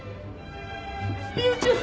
龍ちゃん。